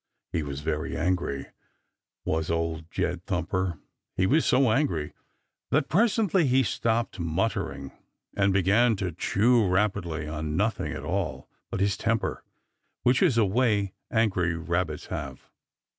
He was very angry, was Old Jed Thumper. He was so angry that presently he stopped muttering and began to chew rapidly on nothing at all but his temper, which is a way angry Rabbits have.